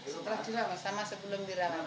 setelah dirawat sama sebelum dirawat